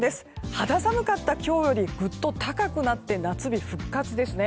肌寒かった今日よりぐっと高くなって夏日復活ですね。